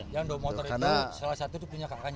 yang dua motor itu salah satu itu punya kakaknya